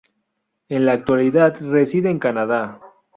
En la actualidad reside en Canadá.